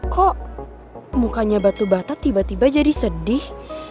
kok mukanya batu bata tiba tiba jadi sedih